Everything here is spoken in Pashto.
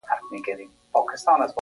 په ګډه د یوې موخې لپاره کار کوي.